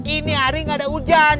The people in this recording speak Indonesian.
ini hari nggak ada hujan